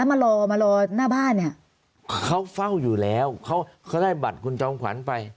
มารอมารอหน้าบ้านเนี่ยเขาเฝ้าอยู่แล้วเขาเขาได้บัตรคุณจอมขวัญไป